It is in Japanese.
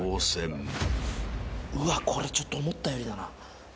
うわっこれちょっと思ったよりだな。